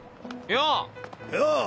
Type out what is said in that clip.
よう！